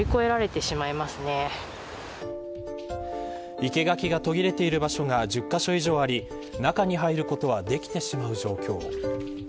生け垣が途切れている場所が１０カ所以上あり中に入ることはできてしまう状況。